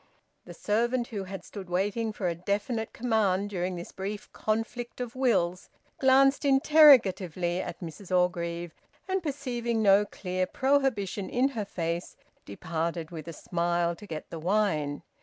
The servant, who had stood waiting for a definite command during this brief conflict of wills, glanced interrogatively at Mrs Orgreave and, perceiving no clear prohibition in her face, departed with a smile to get the wine.